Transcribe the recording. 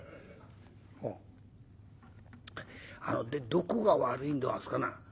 「あああのでどこが悪いんでござんすかな？」。